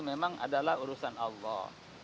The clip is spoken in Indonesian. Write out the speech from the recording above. memang adalah urusan allah